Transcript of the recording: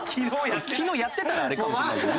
昨日やってたらあれかもしれないけど。